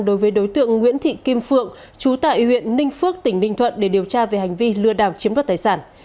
đối với đối tượng nguyễn thị kim phượng chú tại huyện ninh phước tỉnh ninh thuận để điều tra về hành vi lừa đảo chiếm đoạt tài sản